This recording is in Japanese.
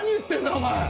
お前！